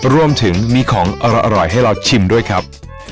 รวมถึงมีของอร่อยให้เราชิมด้วยครับ